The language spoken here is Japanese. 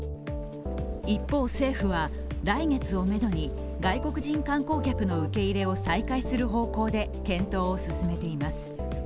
一方、政府は来月をめどに外国人観光客の受け入れを再開する方向で検討を進めています。